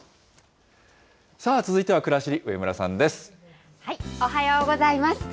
さあ、続いてはくらしり、上村さおはようございます。